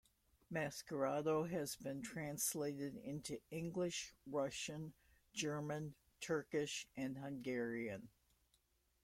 "Maskerado" has been translated into English, Russian, German, Turkish, and Hungarian.